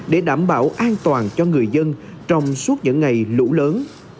để đảm bảo an toàn cho người dân trong suốt những ngày lũ lớn